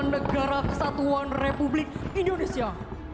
negara kesatuan republik indonesia